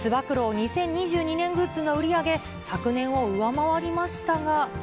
２０２２年グッズの売り上げ、昨年を上回りましたが。